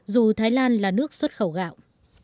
và nước xuất khẩu gạo